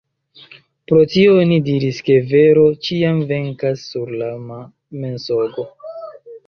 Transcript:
Pro tio oni diris ke vero ĉiam Venkas sur lama Mensogo.